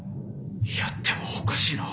「いやでもおかしいな」。